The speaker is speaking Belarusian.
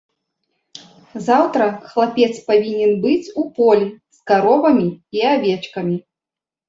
Заўтра хлапец павінен быць у полі з каровамі і авечкамі.